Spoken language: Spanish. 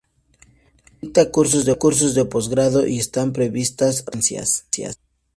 Dicta cursos de posgrado, y están previstas residencias.